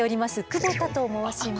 久保田と申します。